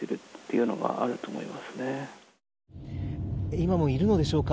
今もいるのでしょうか。